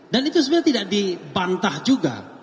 dan itu sebenarnya tidak dibantah juga